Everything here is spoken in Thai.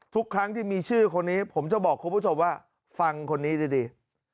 ทุกครั้งที่มีชื่อคนนี้ผมจะบอกคุณผู้ชมว่าฟังคนนี้ดี